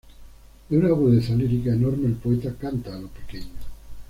De una agudeza lírica enorme, el poeta canta a lo pequeño.